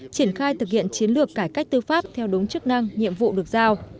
triển khai thực hiện chiến lược cải cách tư pháp theo đúng chức năng nhiệm vụ được giao